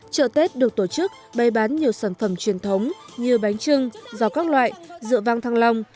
chợ tết được tổ chức bày bán nhiều sản phẩm truyền thống như bánh trưng giò các loại rượu vang thăng long